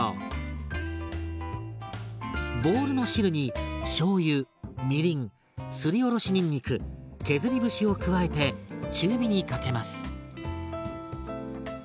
ボウルの汁にしょうゆみりんすりおろしにんにく削り節を加えて中火にかけます。